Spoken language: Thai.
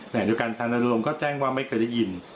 เหนื่องจากการทานัดลวงก็แจ้งว่าไม่เคยได้ยิน